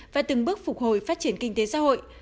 và từng bước phục hồi phát triển kinh tế xã hội